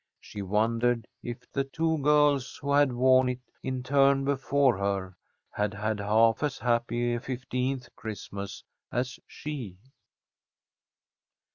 She wondered if the two girls who had worn it in turn before her had had half as happy a fifteenth Christmas as she.